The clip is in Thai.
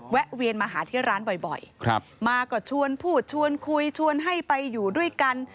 แวนมาหาที่ร้านบ่อยมาก็ชวนพูดชวนคุยชวนให้ไปอยู่ด้วยกัน